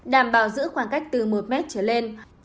đảm bảo giữ khoảng cách từ một mét trở lên